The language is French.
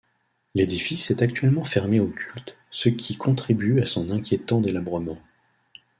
L'édifice est actuellement fermé au culte, ce qui contribue à son inquiétant délabrement.